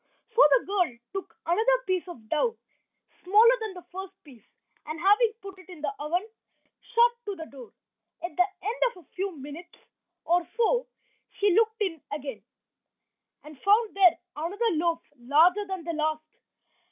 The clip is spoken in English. So the girl took another piece of dough, smaller than the first piece, and having put it in the oven, shut to the door. At the end of a few minutes or so she looked in again, and found there another loaf, larger than the last.